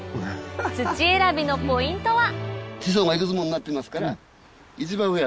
土選びのポイントは？